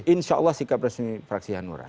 insya allah sikap resmi fraksi hanura